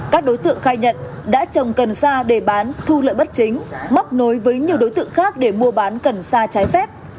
các đối tượng khai nhận đã trồng cần sa để bán thu lợi bất chính móc nối với nhiều đối tượng khác để mua bán cần xa trái phép